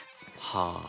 はあ。